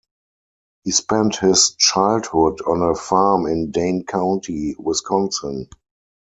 He spent his childhood on a farm in Dane County, Wisconsin.